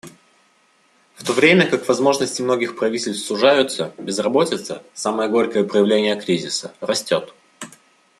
В то время как возможности многих правительств сужаются, безработица — самое горькое проявление кризиса — растет.